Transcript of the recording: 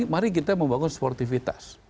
mari kita membangun sportifitas